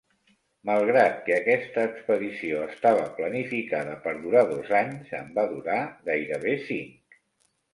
Malgrat que aquesta expedició estava planificada per durar dos anys en va durar gairebé cinc.